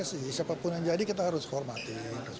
siapapun yang jadi kita harus hormati